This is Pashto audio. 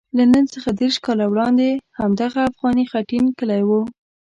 له نن څخه دېرش کاله وړاندې همدغه افغاني خټین کلی وو.